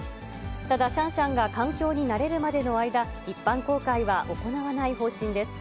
ただ、シャンシャンが環境に慣れるまでの間、一般公開は行わない方針です。